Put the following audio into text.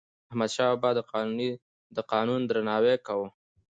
احمدشاه بابا د قانون درناوی کاوه.